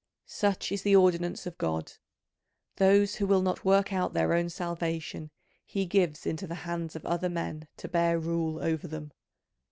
Such is the ordinance of God: those who will not work out their own salvation he gives into the hands of other men to bear rule over them.